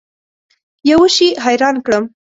یوه شي حیران کړم.